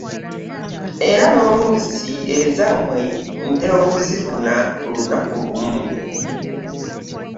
Era n'oluusi ezammwe ntera okuzifuna ku lunaku lumu.